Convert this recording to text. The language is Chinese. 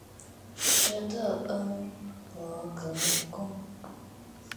施特恩伯格宫。